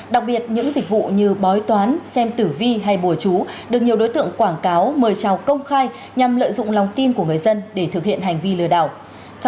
đặc biệt những dịch vụ như bói toán xem tử vi hay bùa chú được nhiều đối tượng quảng cáo mời trào công khai nhằm lợi dụng lòng tin của người dân để thực hiện hành vi lừa đảo